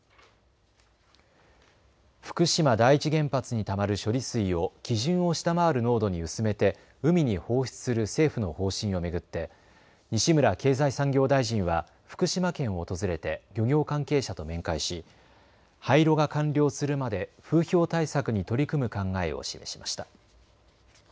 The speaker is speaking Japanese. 福島第一原発にたまる処理水を基準を下回る濃度に薄めて海に放出する政府の方針を巡って西村経済産業大臣は福島県を訪れて漁業関係者と面会し、廃炉が完了するまで風評対策に取り組む考えを示しました。